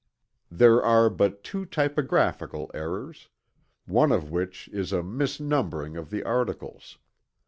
There are but two typographical errors, one of which is a misnumbering of the articles.